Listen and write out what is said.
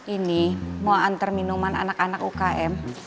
ini mau antar minuman anak anak ukm